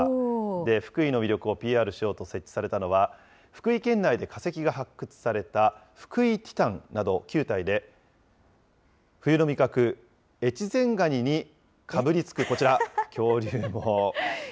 福井の魅力をＰＲしようと設置されたのは、福井県内で化石が発掘されたフクイティタンなど９体で、冬の味覚、越前がににかぶりつく、こちら、恐竜も。